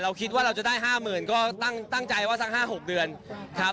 เราคิดว่าเราจะได้ห้าหมื่นก็ตั้งใจว่าสักห้าหกเดือนครับ